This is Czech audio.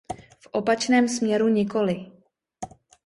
V opačném směru nikoliv.